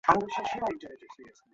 আটকাতে পারব না, দায়িত্বে উনি।